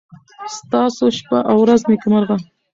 ستاسو شپه او ورځ نېکمرغه.